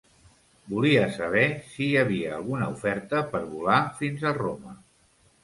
Volia saber si hi havia alguna oferta per volar fins a Roma.